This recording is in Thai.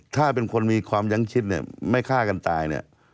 ถ้าเป็นคนมีความยั้งชิดไม่ฆ่ากันตาย